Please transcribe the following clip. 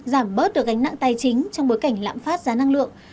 giảm bớt được gánh nặng tài chính trong bối cảnh lãm phát giá năng lượng